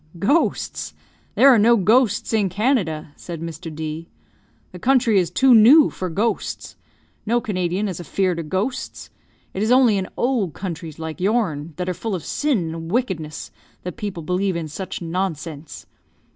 "Ghosts! There are no ghosts in Canada!" said Mr. D . "The country is too new for ghosts. No Canadian is afear'd of ghosts. It is only in old countries, like your'n, that are full of sin and wickedness, that people believe in such nonsense.